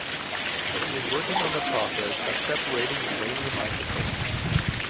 He is working on the process of separating uranium isotopes.